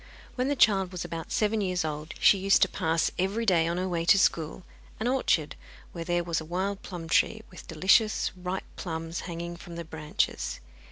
When the child was about seven years old she used to pass every day, on her way to school, an orchard where there was a wild plum tree, with delicious ripe plums hanging from the branches.